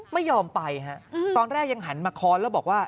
ไม่ยอมไปฮะตอนแรกยังหันมาค้อนแล้วบอกว่า